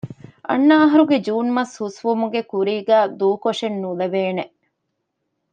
އަންނަ އަހަރުގެ ޖޫން މަސް ހުސްވުމުގެ ކުރީގައި ދޫކޮށެއް ނުލެވޭނެ